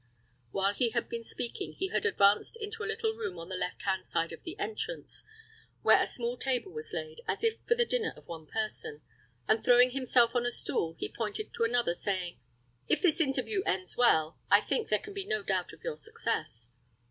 While he had been speaking, he had advanced into a little room on the left hand side of the entrance, where a small table was laid, as if for the dinner of one person, and throwing himself on a stool, he pointed to another, saying, "If this interview ends well, I think there can be no doubt of your success."